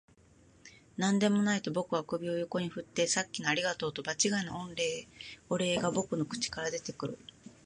「何でもない」と僕は首を横に振って、「さっきのありがとう」と場違いなお礼が僕の口から出てくる